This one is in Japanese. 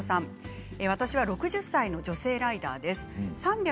私は６０歳の女性ライダーです。